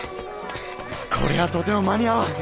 こりゃとても間に合わん！